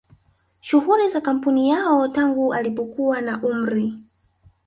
shughuli za kampuni yao tangu alipokuwa na umri